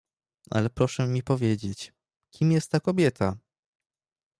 "Ale proszę mi powiedzieć, kim jest ta kobieta?"